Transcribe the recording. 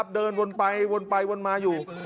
เดินวนไปวนไปวนมาอยู่